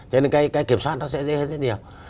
cho nên cái kiểm soát nó sẽ dễ hơn rất nhiều